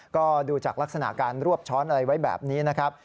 ก็ดูจากลักษณะการรวบช้อนอะไรไว้แบบนี้นะครับ